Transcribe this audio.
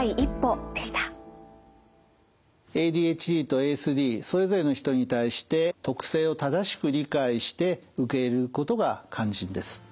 ＡＤＨＤとＡＳＤそれぞれの人に対して特性を正しく理解して受け入れることが肝心です。